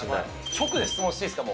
直で質問していいですか？